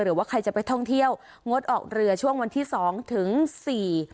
หรือว่าใครจะไปท่องเที่ยวงดออกเรือช่วงวันที่สองถึงสี่